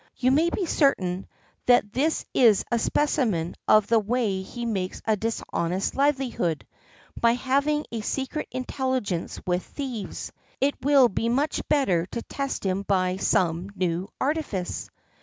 You may be certain that this is a specimen of the way he makes a dishonest livelihood, by having a secret intelligence with thieves. It will be much better to test him by some new artifice."